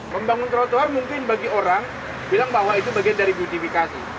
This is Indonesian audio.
membangun trotoar mungkin bagi orang bilang bahwa itu bagian dari justifikasi